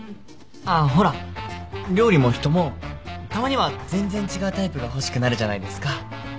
ああほら料理も人もたまには全然違うタイプが欲しくなるじゃないですか。